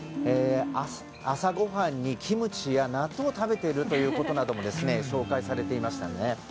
朝ご飯にキムチや納豆を食べているということなども紹介されていましたね。